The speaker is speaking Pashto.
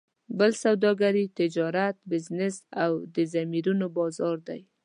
بس سوداګري، تجارت، بزنس او د ضمیرونو بازار دی.